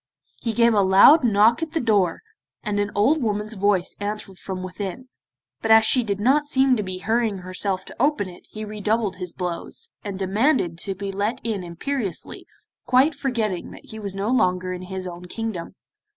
He gave a loud knock at the door, and an old woman's voice answered from within, but as she did not seem to be hurrying herself to open it he redoubled his blows, and demanded to be let in imperiously, quite forgetting that he was no longer in his own kingdom.